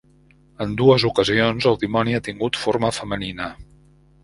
En dues ocasions el dimoni ha tingut forma femenina.